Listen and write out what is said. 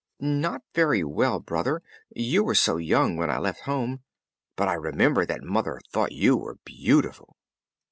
"Not very well, Brother; you were so young when I left home. But I remember that mother thought you were beautiful."